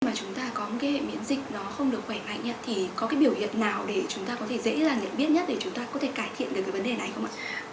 mà chúng ta có một cái hệ miễn dịch nó không được khỏe mạnh thì có cái biểu hiện nào để chúng ta có thể dễ dàng nhận biết nhất để chúng ta có thể cải thiện được cái vấn đề này không ạ